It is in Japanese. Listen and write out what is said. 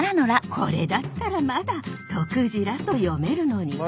これだったらまだとくじらと読めるのに。